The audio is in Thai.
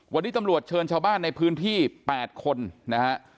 วันนี้ตำรวจเชิญชาวบ้านในพื้นที่๘คนนะฮะ